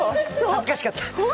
恥ずかしかった。